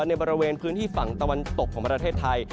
ในบริเวณพื้นที่ฝั่งตะวันตกของประเทศไทย